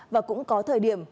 và cũng có thời điểm